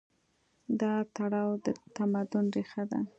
دا تړاو د تمدن ریښه ده.